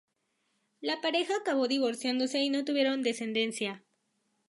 La pareja acabó divorciándose, y no tuvieron descendencia.